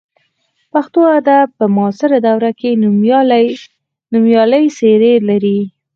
پښتو ادب په معاصره دوره کې نومیالۍ څېرې لري.